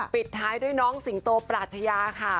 ปิดท้ายด้วยน้องสิงโตปราชยาค่ะ